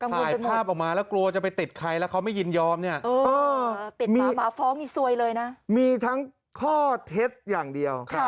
ถ่ายภาพออกมาแล้วกลัวจะไปติดใครแล้วเขาไม่ยินยอมเนี่ย